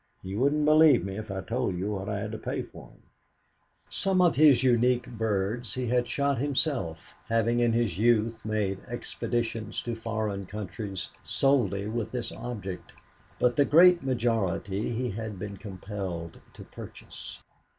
You wouldn't believe me if I told you what I had to pay for him!" Some of his unique birds he had shot himself, having in his youth made expeditions to foreign countries solely with this object, but the great majority he had been compelled to purchase.